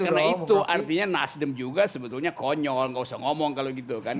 karena itu artinya nasdem juga sebetulnya konyol nggak usah ngomong kalau gitu kan